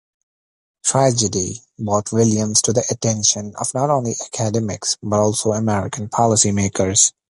"Tragedy" brought Williams to the attention of not only academics but also American policymakers.